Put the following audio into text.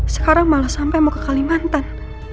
sekarang malah sampai mau ke kalimantan